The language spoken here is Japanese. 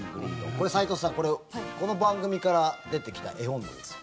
これ、齊藤さん、この番組から出てきた絵本なんですよ。